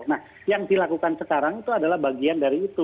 nah yang dilakukan sekarang itu adalah bagian dari itu